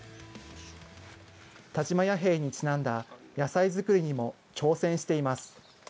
田島弥平にちなんだ野菜作りにも挑戦しています。